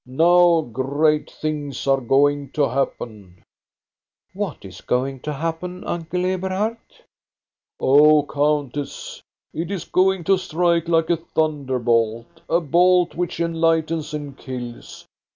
Now great things are going to happen." " What is going to happen, Uncle Eberhard ?"" Oh, countess, it is going to strike like a thunder bolt, a bolt which enlightens and kills.